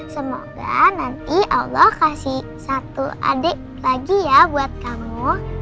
semoga nanti allah kasih satu adik lagi ya buat kamu